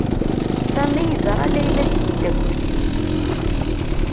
Sami yeẓra Layla d tmeddakelt-is.